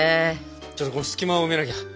ちょっとこれ隙間を埋めなきゃ。